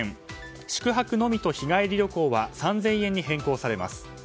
宿泊のみと日帰り旅行は３０００円に変更されます。